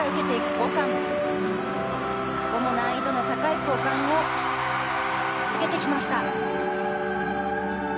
ここも難易度の高い交換を続けてきました。